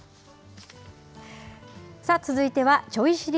さあ、続いてはちょい知り！